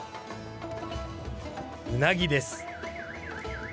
うなぎです。